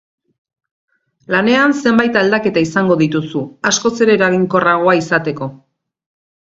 Lanean zenbait aldaketa izango dituzu, askoz ere eraginkorragoa izateko.